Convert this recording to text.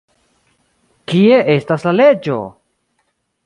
Kie estas la leĝo?